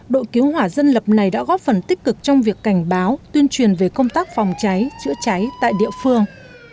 đội cứu hỏa dân lập này đã góp phần tích cực trong việc cảnh báo tuyên truyền về công tác phòng cháy chữa cháy tại địa phương